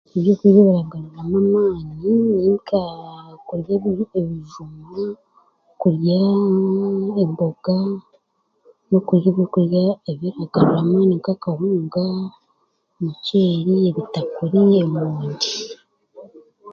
Ebyokurya ebiragaruramu amaani ni nka okurya ebijuma, okuryaaa emboga n'okurya ebyokurya ebiragaruramu amaani nka akahunga, omucheeri, n'emoondi.